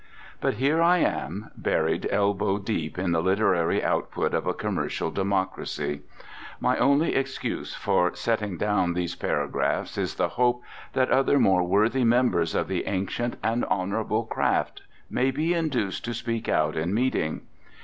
But here I am, buried elbow deep in the literary output of a commercial democracy. My only excuse for setting down these paragraphs is the hope that other more worthy members of the ancient and honorable craft may be induced to speak out in meeting.